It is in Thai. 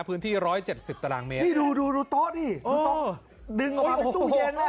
พื้นที่ร้อยเจ็ดสิบตารางเมตรนี่ดูดูดูโต๊ะดิเออดึงออกมาเป็นตู้เย็นน่ะ